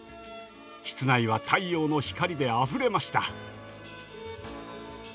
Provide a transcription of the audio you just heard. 室内は太陽の光であふれました。